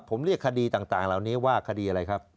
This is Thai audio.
ผมเรียกคดีต่างเหล่านี้ว่าคดีอะไรครับ